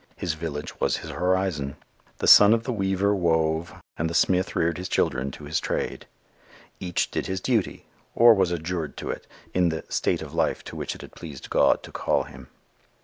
His village was his horizon. The son of the weaver wove and the smith reared his children to his trade. Each did his duty, or was adjured to do it, in the "state of life to which it had pleased God to call him."